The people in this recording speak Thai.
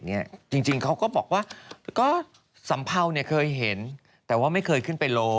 ที่เขาก็บอกว่าสัมเภาเคยเห็นแต่ไม่เคยขึ้นไปโล